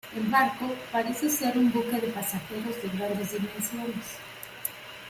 El Barco parece ser un buque de pasajeros de grandes dimensiones"".